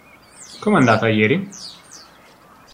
Come è andata ieri?